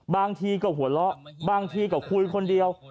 บางทีก็หัวเราะบางทีก็คุยคนเดียว